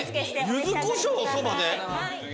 ゆずこしょうをそばで？